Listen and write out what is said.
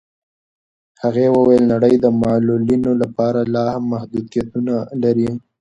هغې وویل نړۍ د معلولینو لپاره لاهم محدودیتونه لري.